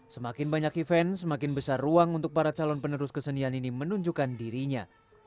semakin banyak event semakin besar ruang untuk para calon penerus kesenian ini menunjukkan dirinya